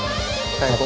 最高。